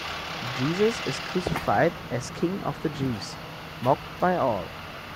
Jesus is crucified as king of the Jews, mocked by all.